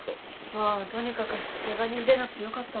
まぁとにかくケガ人出なくてよかったわ。